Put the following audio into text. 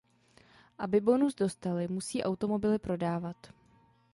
Aby bonus dostali, musí automobily prodávat.